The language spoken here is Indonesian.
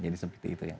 jadi seperti itu ya